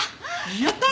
やったー！